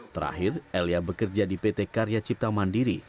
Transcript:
terakhir elia bekerja di pt karya cipta mandiri